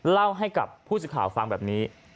เล่าให้กับผู้สินค้าฟังแบบนี้